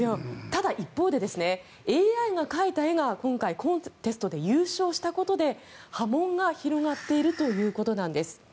ただ、一方でＡＩが描いた絵が今回、コンテストで優勝したことで波紋が広がっているということなんです。